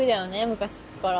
昔っから。